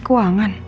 apa perusahaan ini